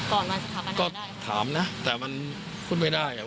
ครั้งนี้ต้องมาเปิดเรื่องก่อนสถาบันได้ได้ต้องถามนะแต่มันพูดไม่ได้ว่า